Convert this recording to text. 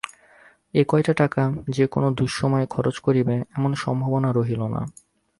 এ কয়টা টাকা যে কোনো দুঃসময়ে খরচ করিবে এমন সম্ভাবনা রহিল না।